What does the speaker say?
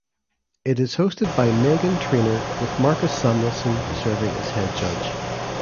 It is hosted by Meghan Trainor with Marcus Samuelsson serving as head judge.